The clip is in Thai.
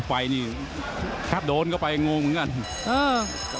ไฟนี่ขับโดนเข้าไปงงเหมือนกัน